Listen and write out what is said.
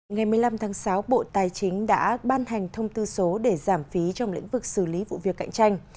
ngày một mươi năm tháng sáu bộ tài chính đã ban hành thông tư số để giảm phí trong lĩnh vực xử lý vụ việc cạnh tranh